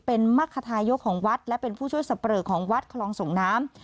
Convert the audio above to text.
เป็นมรรคทายกของวัดและเป็นผู้ช่วยสับเปรอของวัดคลองส่งน้ำ